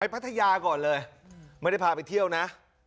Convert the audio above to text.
พัทยาก่อนเลยไม่ได้พาไปเที่ยวนะ